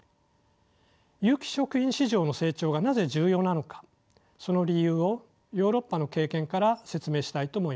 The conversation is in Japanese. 有機食品市場の成長がなぜ重要なのかその理由をヨーロッパの経験から説明したいと思います。